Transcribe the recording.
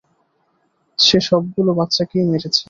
সে সবগুলো বাচ্চাকেই মেরেছে।